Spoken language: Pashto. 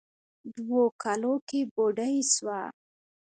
دوو کالو کې بوډۍ سوه.